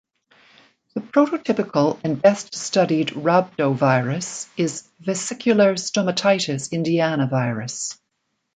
The prototypical and best studied rhabdovirus is vesicular stomatitis Indiana virus.